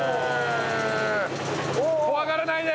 怖がらないで！